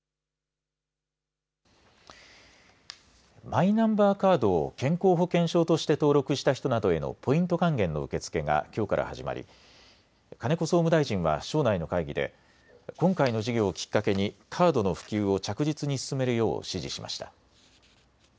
マイナンバーカードを健康保険証として登録した人などへのポイント還元の受け付けがきょうから始まり金子総務大臣は省内の会議で今回の事業をきっかけにカードの普及を着実に進めるよう指示しました。